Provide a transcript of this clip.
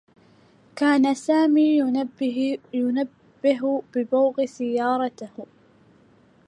كان سامي ينبّه ببوق سيّارته.